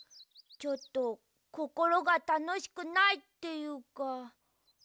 ちょっとこころがたのしくないっていうか。